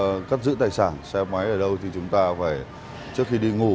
khi cắt giữ tài sản xe máy ở đâu thì chúng ta phải trước khi đi ngủ